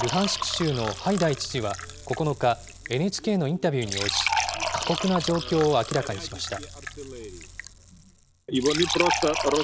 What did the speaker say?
州のハイダイ知事は９日、ＮＨＫのインタビューに応じ、過酷な状況を明らかにしました。